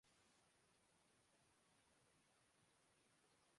Honda نے اپنی نئی سوک رش پاکستان میں متعارف کرا دی ہے